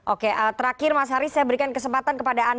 oke terakhir mas haris saya berikan kesempatan kepada anda